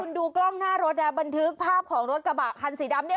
ในกล้องหน้ารถทิศภาพของรถกระบะคันสีดำ